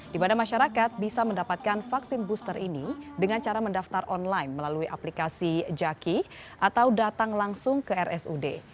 di mana masyarakat bisa mendapatkan vaksin booster ini dengan cara mendaftar online melalui aplikasi jaki atau datang langsung ke rsud